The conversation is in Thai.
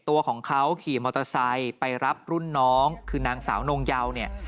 ตัวของเขาขี่มอเตอร์ไซค์ไปรับรุ่นน้องคือนางสาวนงเยาเนี่ย